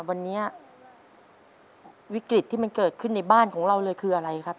วันนี้วิกฤตที่มันเกิดขึ้นในบ้านของเราเลยคืออะไรครับ